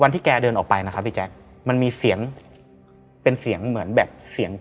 ที่แกเดินออกไปนะครับพี่แจ๊คมันมีเสียงเป็นเสียงเหมือนแบบเสียง